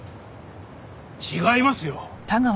違いますよ！